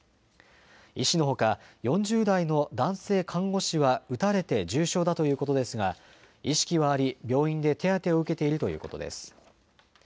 医師のほか４０代の男性看護師は撃たれて重傷だということですが意識はあり、病院で手当てを受けているということです。